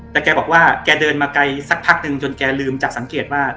แต่แกบอกว่าแกเดินมาไกลสักพักหนึ่งจนแกลืมจับสังเกตว่า